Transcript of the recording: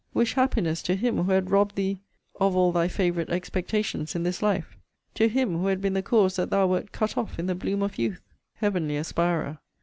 Wish happiness to him who had robbed thee 'of all thy favourite expectations in this life?' To him who had been the cause that thou wert cut off in the bloom of youth?' Heavenly aspirer!